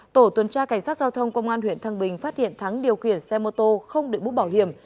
tổ tuần tra cảnh sát giao thông công an huyện thăng bình phát hiện thắng điều khiển xe mô tô không được bút bảo hiểm